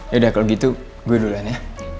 yaudah kalau gitu gue duluan ya